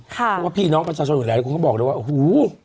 เพราะว่าพี่น้องประชาชนอื่นแหละก็บอกเลยว่าอู๋